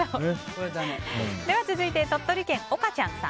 続いて、鳥取県の方。